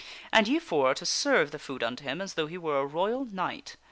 And ye four are to serve the food unto him as though he were a royal knight.